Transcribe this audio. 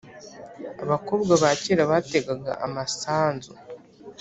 Abakobwa kera bategaga amasanzu